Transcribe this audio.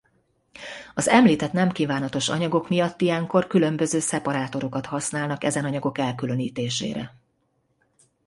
Az említett nemkívánatos anyagok miatt ilyenkor különböző szeparátorokat használnak ezen anyagok elkülönítésére.